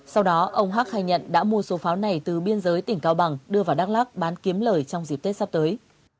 sau đó ông hắc khai nhận đã mua số pháo này từ biên giới tỉnh cao bằng đưa vào đắk lắc bán kiếm lời trong dịp tết sắp tới